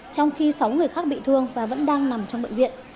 trong khi sáu người khác bị thương và vẫn đang nằm trong bệnh viện